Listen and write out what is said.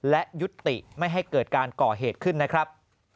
และยุติไม่ให้เกิดการก่อเหตุขึ้นนะครับ